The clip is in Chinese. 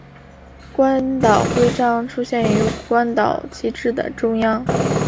关岛徽章出现于关岛旗帜的中央。